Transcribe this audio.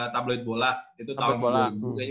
tabloid bola itu tahun dua ribu